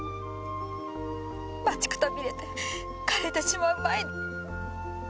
待ちくたびれて枯れてしまう前に。